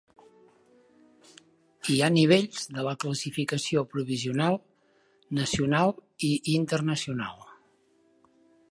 Hi ha nivells de la classificació: provisional, nacional i internacional.